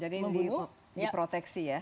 jadi yang diproteksi ya